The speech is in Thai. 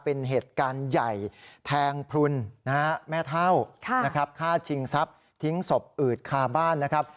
เป็นเหตุการณ์ใหญ่แทงพลุนแม่เท่านะครับฆ่าชิงทรัพย์ทิ้งศพอืดคาบ้านนะครับ